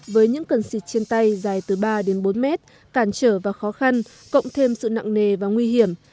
với những cân xịt trên tay dài từ ba đến bốn mét cản trở và khó khăn cộng thêm sự nặng nề và nguy hiểm